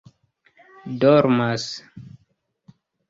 dormas